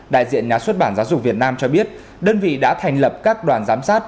đại diện nhà xuất bản giáo dục việt nam cho biết đơn vị đã thành lập các đoàn giám sát